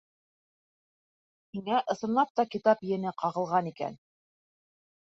Һиңә ысынлап та китап ене ҡағылған икән!